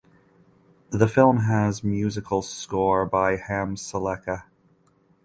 The film has musical score by Hamsalekha.